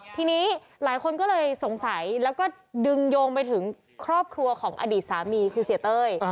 ทีนี้หลายคนก็เลยสงสัยแล้วก็ดึงโยงไปถึงครอบครัวของอดีตสามีคือเสียเต้ย